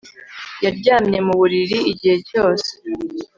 Yaryamye mu buriri igihe cyose